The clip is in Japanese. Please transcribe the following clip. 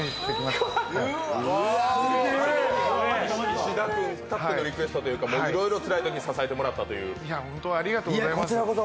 石田君たってのリクエストというかいろいろつらいときに支えてもらったという。